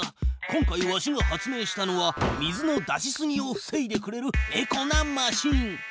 今回わしが発明したのは水の出しすぎをふせいでくれるエコなマシーン。